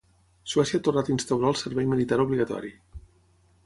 Suècia ha tornat a instaurar el servei militar obligatori.